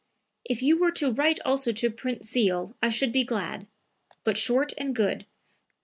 "If you were to write also to Prince Zeil I should be glad. But short and good.